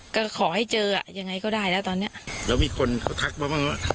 ก็ขอให้เจออ่ะยังไงก็ได้แล้วตอนเนี้ยแล้วมีคนเขาทักมาบ้างว่า